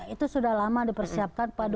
itu sudah lama di persiapkan